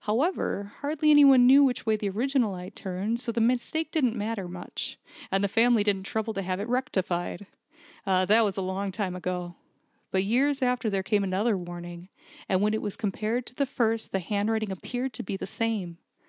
However, hardly any one knew which way the original eye turned, so the mistake didn't matter much, and the family didn't trouble to have it rectified. That was a long time ago. But years after there came another warning; and when it was compared with the first the handwriting appeared to be the same.